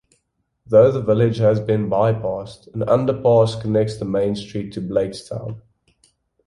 Though the village has been by-passed, an under-pass connects the main street to Blakestown.